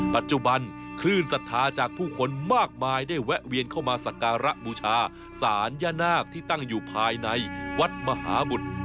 ปัจจุบันคลื่นศรัทธาจากผู้คนมากมายได้แวะเวียนเข้ามาสักการะบูชาสารย่านาคที่ตั้งอยู่ภายในวัดมหาบุตร